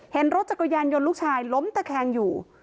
เห็นรถจักรยานยนต์ลูกชายล้มตะแคงอยู่